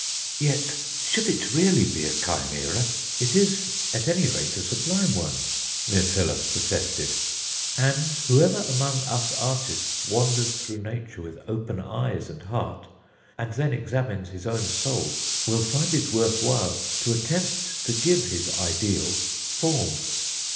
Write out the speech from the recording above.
"Yet, should it really be a chimera, it is at any rate a sublime one," Myrtilus protested, "and whoever among us artists wanders through Nature with open eyes and heart, and then examines his own soul, will find it worth while to attempt to give his ideal form."